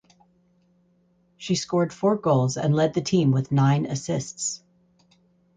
She scored four goals and led the team with nine assists.